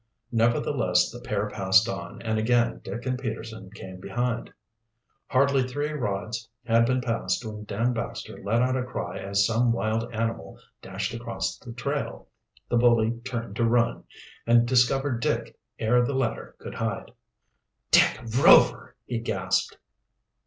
Nevertheless, the pair passed on, and again Dick and Peterson came behind. Hardly three rods had been passed when Dan Baxter let out a cry as some small wild animal dashed across the trail. The bully turned to run, and discovered Dick ere the latter could hide. "Dick Rover!" he gasped.